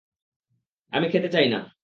আমি খেতে চাই না।